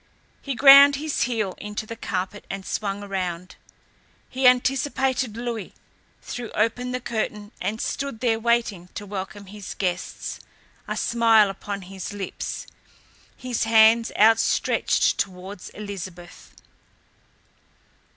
He ground his heel into the carpet and swung around. He anticipated Louis, threw open the curtain, and stood there waiting to welcome his guests, a smile upon his lips, his hands outstretched towards Elizabeth.